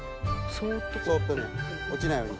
そっとね落ちないように。